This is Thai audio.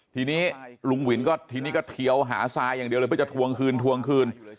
ทีนี้ลุงวินก็ทีนี้ก็เทียวหาซาอย่างเดียวเลยเพื่อจะทวงคืนทวงคืน